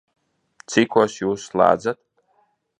Cikos Jūs slēdzat?